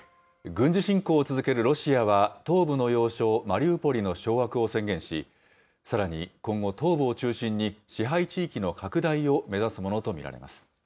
軍事侵攻を続けるロシアは、東部の要衝マリウポリの掌握を宣言し、さらに今後、東部を中心に支配地域の拡大を目指すものと見られます。